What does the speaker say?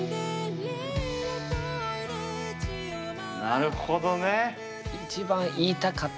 なるほどね。